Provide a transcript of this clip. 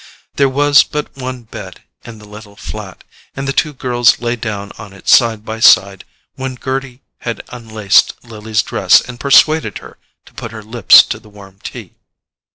There was but one bed in the little flat, and the two girls lay down on it side by side when Gerty had unlaced Lily's dress and persuaded her to put her lips to the warm tea.